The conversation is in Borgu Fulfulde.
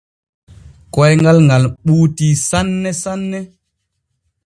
Koyŋal ŋal ɓuutii sanne sanne.